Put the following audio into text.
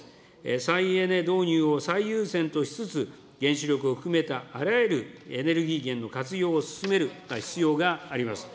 再エネ導入を最優先としつつ、原子力を含めたあらゆるエネルギー源の活用を進める必要があります。